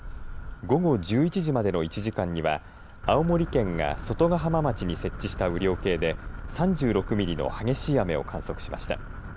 午後１１時までの１時間には青森県が外ヶ浜町に設置した雨量計で３６ミリの激しい雨を観測しました。